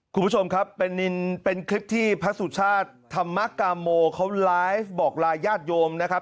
คุณผู้ชมครับเป็นคลิปที่พระสุชาติธรรมกาโมเขาไลฟ์บอกลาญาติโยมนะครับ